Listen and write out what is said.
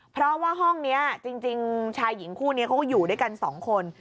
เพราะว่าห้องนี้จริงชายหญิงคู่นี้เขาก็อยู่ด้วยกันสองคน